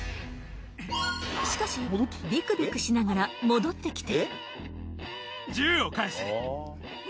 しかしビクビクしながら戻ってきて。